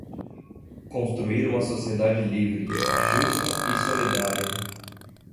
construir uma sociedade livre, justa e solidária;